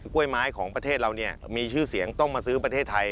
้วยไม้ของประเทศเราเนี่ยมีชื่อเสียงต้องมาซื้อประเทศไทย